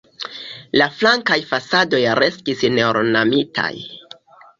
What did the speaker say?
La flankaj fasadoj restis neornamitaj.